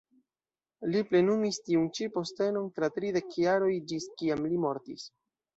Li plenumis tiun ĉi postenon tra tridek jaroj, ĝis kiam li mortis.